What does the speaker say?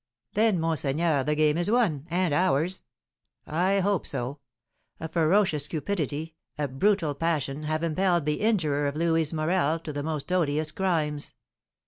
"Then, monseigneur, the game is won, and ours." "I hope so. A ferocious cupidity, a brutal passion, have impelled the injurer of Louise Morel to the most odious crimes.